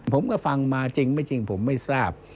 ผมก็ฟังมาจริงผมไม่ทราบ